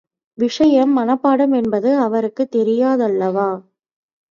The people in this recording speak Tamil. விஷயம் மனப்பாடம் என்பது அவருக்குத் தெரியாதல்லாவா?